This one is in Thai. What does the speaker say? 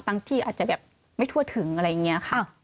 ที่อาจจะแบบไม่ทั่วถึงอะไรอย่างนี้ค่ะ